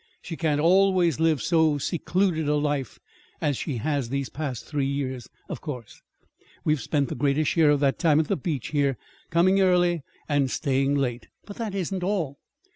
She can't always live so secluded a life as she has these past three years, of course, we have spent the greater share of that time at the beach here, coming early and staying late. "But that isn't all.